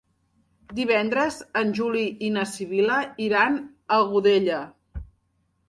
Divendres en Juli i na Sibil·la iran a Godella.